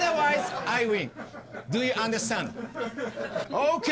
ＯＫ。